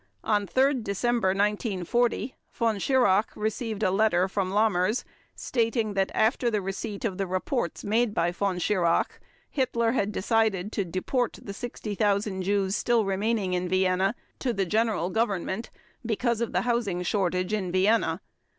On 3 December 1940 Von Schirach received a letter from Lammers stating that after the receipt of the reports made by Von Schirach, Hitler had decided to deport the 60,000 Jews still remaining in Vienna to the General Government because of the housing shortage in Vienna.